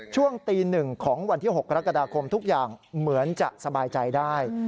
ช่วงตี๑ของวันที่๖กรกฎาคมทุกอย่างเหมือนจะสบายใจได้